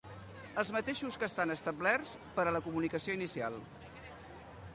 Els mateixos que estan establerts per a la comunicació inicial.